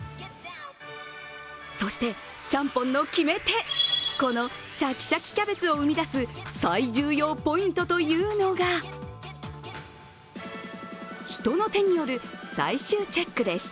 そして、ちゃんぽんの決め手、このしゃきしゃきキャベツを生み出す最重要ポイントというのが人の手による最終チェックです。